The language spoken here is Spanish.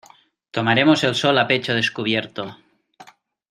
tomaremos el sol a pecho descubierto.